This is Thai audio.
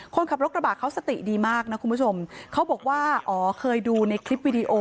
คนขับรถกระบะเขาสติดีมากนะคุณผู้ชมเขาบอกว่าอ๋อเคยดูในคลิปวิดีโอ